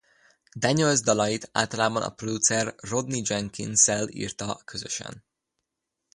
Daniels dalait általában a producer Rodney Jenkins-szel írta közösen.